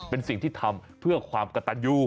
เป็นสิ่งที่ทำเพื่อความกระตันอยู่